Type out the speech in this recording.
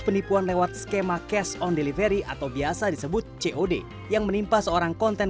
penipuan lewat skema cash on delivery atau biasa disebut cod yang menimpa seorang konten